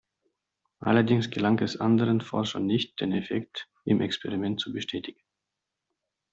Allerdings gelang es anderen Forschern nicht, den Effekt im Experiment zu bestätigen.